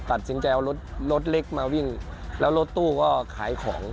ตัดสินใจเอารถรถเล็กมาวิ่งแล้วรถตู้ก็ขายของ